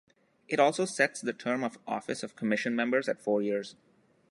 It also sets the term of office of Commission members at four years.